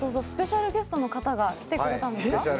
スペシャルゲストの方が来てくれたんですか？